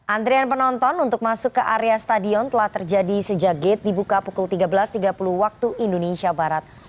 antrian penonton untuk masuk ke area stadion telah terjadi sejak gate dibuka pukul tiga belas tiga puluh waktu indonesia barat